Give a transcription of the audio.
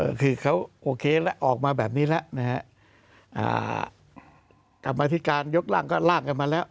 ก็คือเขาโอเคแล้วออกมาแบบนี้แล้วนะฮะกรรมธิการยกร่างก็ล่างกันมาแล้ว